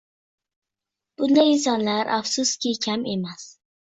Bunday insonlar, afsuski, kam emas.